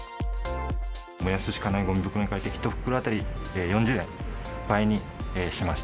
燃やすしかないごみ袋に変えて１袋４０円、倍にしました。